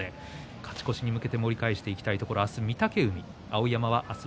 勝ち越しに向けて盛り返していきたいところです。